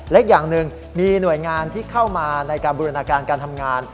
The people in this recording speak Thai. อีกอย่างหนึ่งมีหน่วยงานที่เข้ามาในการบูรณาการการทำงาน